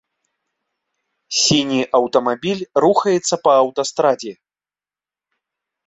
Сіні аўтамабіль рухаецца па аўтастрадзе.